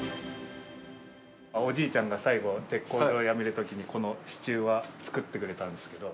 おじいちゃんが最後、鉄工場をやめるときに、この支柱は作ってくれたんですけど。